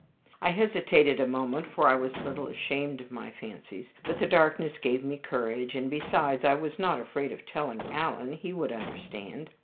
I hesitated a moment, for I was a little ashamed of my fancies; but the darkness gave me courage, and besides I was not afraid of telling Alan he would understand.